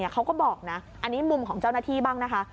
เขาก็บอกนะอันนี้มุมของเจ้าหน้าที่บ้างนะคะ